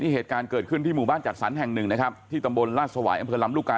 เหตุการณ์เกิดขึ้นที่หมู่บ้านจัดสรรแห่งหนึ่งนะครับที่ตำบลราชสวายอำเภอลำลูกกา